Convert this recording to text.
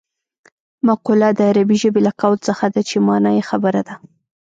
مقوله د عربي ژبې له قول څخه ده چې مانا یې خبره ده